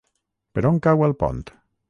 Per on cau Alpont?